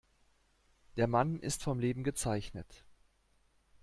Der Mann ist vom Leben gezeichnet.